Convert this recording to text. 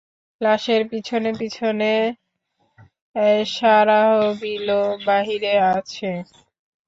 লাশের পিছনে পিছনে শারাহবীলও বাইরে আসে।